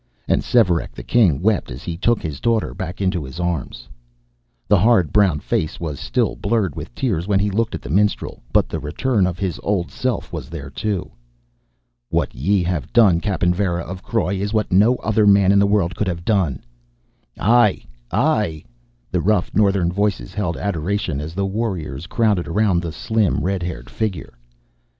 And Svearek the king wept as he took his daughter back into his arms. The hard brown face was still blurred with tears when he looked at the minstrel, but the return of his old self was there too. "What ye have done, Cappen Varra of Croy, is what no other man in the world could have done." "Aye aye " The rough northern voices held adoration as the warriors crowded around the slim red haired figure.